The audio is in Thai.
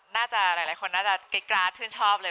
น่าจะหลายคนกริ๊ดกราชชื่นชอบเลย